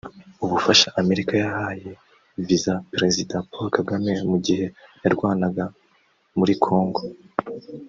Ubufasha America yaheye vise president Paul kagame mu gihe yarwanaga muri Congo